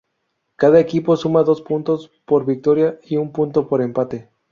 Cada equipo suma dos puntos por victoria y un punto por empate.